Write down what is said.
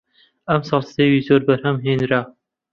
ئەمساڵ سێوی زۆر بەرهەم هێنرا